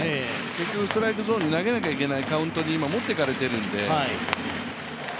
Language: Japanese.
結局ストライクゾーンに投げなきゃいけないカウントに今持っていかれているんで。